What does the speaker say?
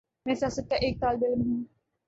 میں سیاست کا ایک طالب علم ہوں۔